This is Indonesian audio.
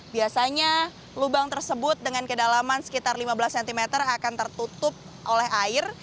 biasanya lubang tersebut dengan kedalaman sekitar lima belas cm akan tertutup oleh air